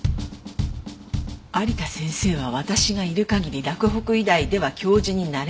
有田先生は私がいる限り洛北医大では教授になれないの。